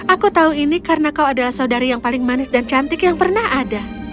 aku tahu ini karena kau adalah saudari yang paling manis dan cantik yang pernah ada